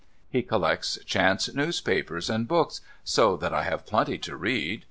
He collects chance newspapers and books — so that I have plenty to read